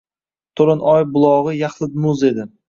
To‘lin oy bulog‘i yaxlit muz edi.